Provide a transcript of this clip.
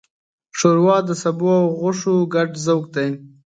ښوروا د سبو او غوښو ګډ ذوق دی.